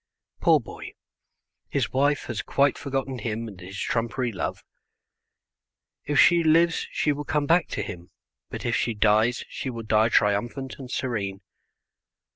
Poor boy, his wife has quite forgotten him and his trumpery love. If she lives she will come back to him, but if she dies she will die triumphant and serene.